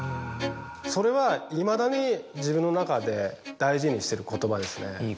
それはいまだに自分の中で大事にしてる言葉ですね。